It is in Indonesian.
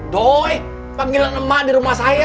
boy panggilin emak di rumah saya